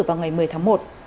vào ngày một mươi tháng một